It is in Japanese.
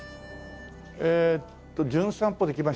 えと『じゅん散歩』で来ました